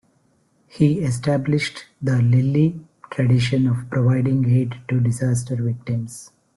He established the Lilly tradition of providing aid to disaster victims.